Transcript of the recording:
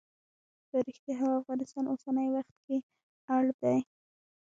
په ریښتیا هم افغانستان اوسنی وخت کې اړ دی.